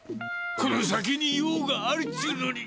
この先に用があるっちゅうのに。